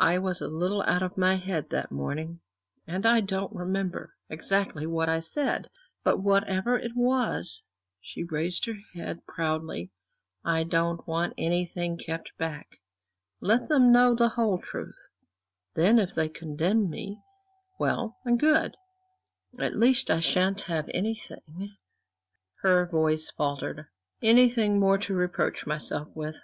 I was a little out of my head that morning, and I don't remember exactly what I said! but whatever it was" she raised her head proudly "I don't want anything kept back. Let them know the whole truth; then, if they condemn me, well and good. At least I shan't have anything" her voice faltered "anything more to reproach myself with."